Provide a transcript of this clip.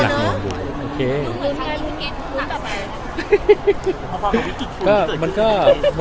เหมือนทางว่าเกฮีกลุกหนักไป